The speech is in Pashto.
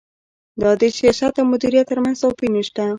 دا د سیاست او مدیریت ترمنځ توپیر نشته.